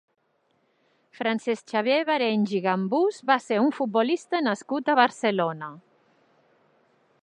Francesc Xavier Barenys i Gambús va ser un futbolista nascut a Barcelona.